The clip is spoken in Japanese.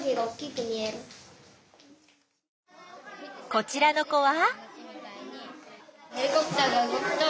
こちらの子は？